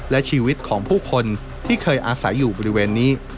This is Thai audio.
และชีวิตของผู้คนที่เคยอาศัยอยู่บริเวณนี้